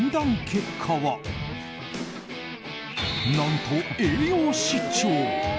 結果は、何と栄養失調。